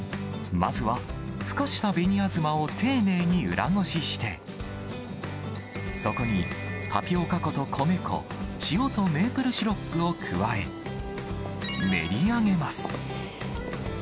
まずは、ふかした紅あずまを丁寧に裏ごしして、そこにタピオカ粉と米粉、塩とメープルシロップを加え、練り上げます。